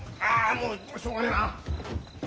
もうしょうがねえな！